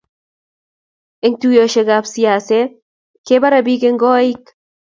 eng tuiyoshekab siaset kebare biik eng koik